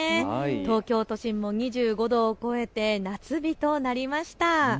東京都心も２５度を超えて夏日となりました。